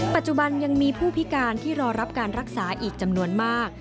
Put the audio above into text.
ปัจจุบันยังมีผู้พิการที่รอรับการรักษาอีกจำนวนมาก